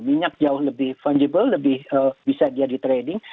minyak jauh lebih fungible lebih bisa dia di trading